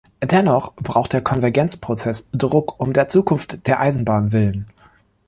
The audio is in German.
Dennoch braucht der Konvergenzprozess Druck um der Zukunft der Eisenbahn willen.